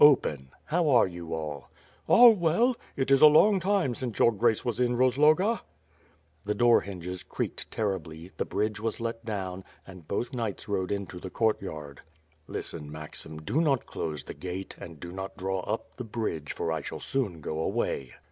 Open. How are you all?" "All well. It is a long time since Your Grace was in Roz loga." The door hinges creaked terribly, the bridge was let down, and both knights rode into the courtyard. "Listen, Maxim, do not close the gate, and do not draw up the bridge, for I shall soon go away."